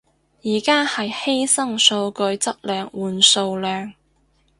而家係犧牲數據質量換數量